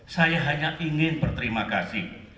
saya hanya ingin berterima kasih